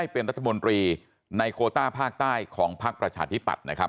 เป็นรัฐมนตรีในโครต้าภาคใต้ของภาคประถาชดิติบัตรนะครับ